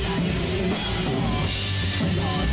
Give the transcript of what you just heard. ส่วนยังแบร์ดแซมแบร์ด